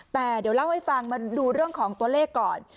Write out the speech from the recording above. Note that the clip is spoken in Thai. แต่เดี๋ยวเล่าให้ฟังมาดูเรื่องของตัวเลขก่อน